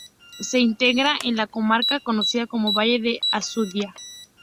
Se integra en la comarca conocida como Valle de Alcudia.